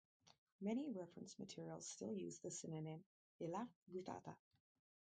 Many reference materials still use the synonym "Elaphe guttata".